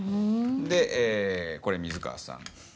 でこれ水川さん。